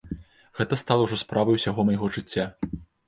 Гэта стала ўжо справай усяго майго жыцця.